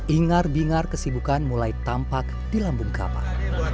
ingat ingat kesibukan mulai tampak di lambung kapal